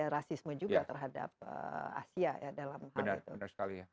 rasisme juga terhadap asia ya dalam hal itu